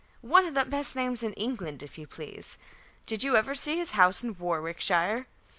One of the best names in England, if you please. Did you ever see his house in Warwickshire?